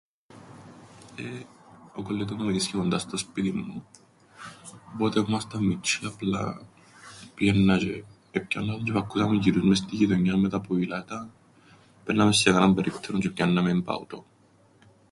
Ε, ο κολλητό-μμου μεινίσκει κοντά στο σπίτιν μου, οπότε που 'μασταν μιτσ̆οί απλά... επήαιννα τζ̆αι... έπιαννα τον τζ̆ι εφακκούσαμεν γυρούς μες στην γειτονιάν με τα ποήλατα, επααίνναμεν σε κανέναν περίπτερον τζ̆ι επιάνναμεν παωτόν.